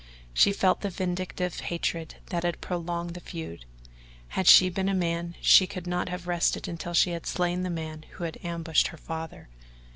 She felt the vindictive hatred that had prolonged the feud. Had she been a man, she could not have rested until she had slain the man who had ambushed her father.